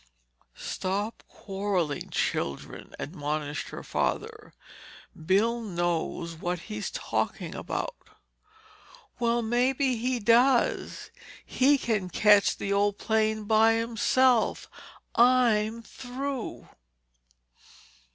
"Stop quarreling, children," admonished her father. "Bill knows what he is talking about." "Well, maybe he does. He can catch the old plane by himself. I'm through."